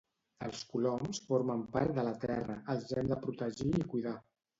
Els coloms formen part de la terra, els hem de protegir i cuidar